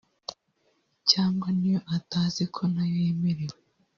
cyangwa niyo atazi ko nayo yemerewe…